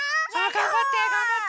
がんばってがんばって！